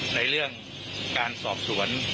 ในเรื่องการสอบสวน